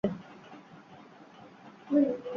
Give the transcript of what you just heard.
এই, গিয়ে কথা বলো তার সাথে।